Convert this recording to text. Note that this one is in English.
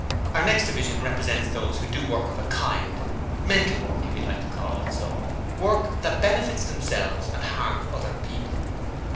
'Our next division represents those who do work of a kind "mental" work if you like to call it so work that benefits themselves and harms other people.